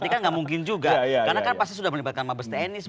karena kan pasti sudah melibatkan mabes tni